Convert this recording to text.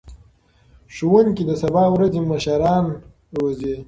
ښوونکي د سبا ورځې مشران روزي.